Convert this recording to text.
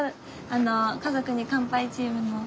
あの「家族に乾杯」チームの。